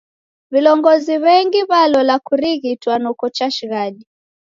Vilongozi w'engi w'alola kurighitwa noko chashighadi.